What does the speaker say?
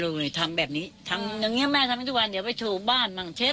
เหนื่อยปะแม่